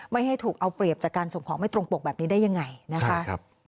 ไม่ให้ถูกเอาเปรียบจากการส่งของไม่ตรงปกแบบนี้ได้ยังไงนะคะ